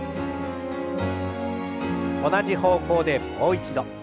同じ方向でもう一度。